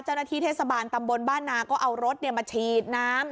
เจ้าหน้าที่เทศบาลตำบลบ้านนาก็เอารถมาฉีดน้ำ